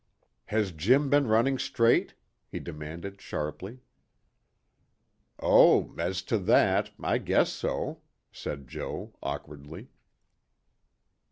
"Has Jim been running straight?" he demanded sharply. "Oh, as to that I guess so," said Joe awkwardly.